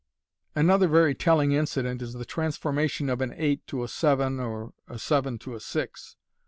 Another very telling incident is the transformation of an eight to a seven, or a seven to a six.